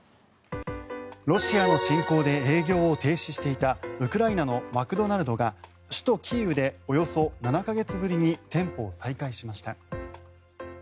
ロシアの侵攻で営業を停止していたウクライナのマクドナルドが首都キーウでおよそ７か月ぶりに店舗を再開しました。